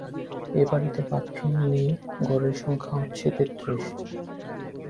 এবাড়িতে bathroom নিয়ে ঘরের সংখ্যা হচ্ছে তেত্রিশ।